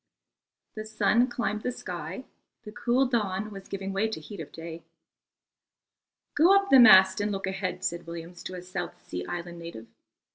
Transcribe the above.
The sun climbed the sky, the cool dawn was giving way to the heat of day. "Go up the mast and look ahead," said Williams to a South Sea Island native.